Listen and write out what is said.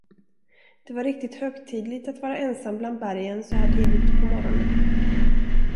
Det var riktigt högtidligt att vara ensam bland bergen så här tidigt på morgonen.